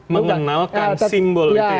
mengenalkan simbol itu ya